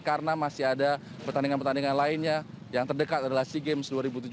karena masih ada pertandingan pertandingan lainnya yang terdekat adalah sea games dua ribu tujuh belas